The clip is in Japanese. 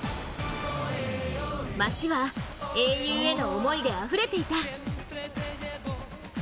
街は、英雄への思いであふれていた。